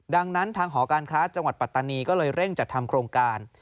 ดังนั้นทางหอการค้าจังหวัดปัตตานีก็เลยเร่งจัดทำโครงการ